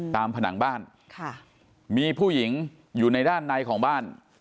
ผนังบ้านค่ะมีผู้หญิงอยู่ในด้านในของบ้าน